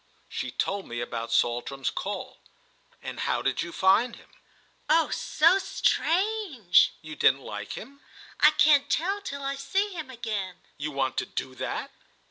She told me about Saltram's call. "And how did you find him?" "Oh so strange!" "You didn't like him?" "I can't tell till I see him again." "You want to do that?"